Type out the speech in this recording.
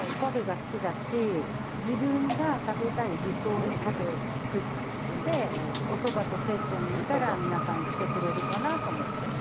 自分が食べたい理想のパフェを作っておそばとセットにしたら皆さん来てくれるかなと思って。